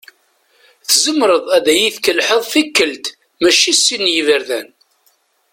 Tzemreḍ ad iyi-tkelḥeḍ tikkelt mačči sin n yiberdan.